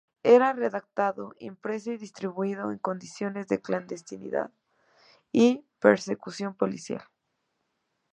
Era redactado, impreso y distribuido en condiciones de clandestinidad y persecución policial.